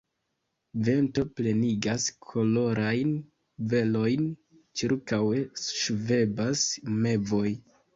Vento plenigas kolorajn velojn, ĉirkaŭe ŝvebas mevoj.